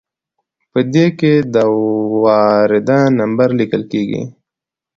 په دې کې د وارده نمبر لیکل کیږي.